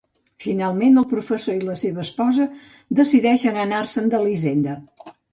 Finalment, el professor i la seva esposa decideixen anar-se'n de la hisenda.